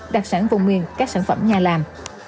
đặc sản vùng miền các sản phẩm nhà làm